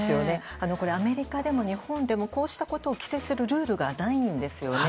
これはアメリカでも日本でもこうしたことを規制するルールがないんですよね。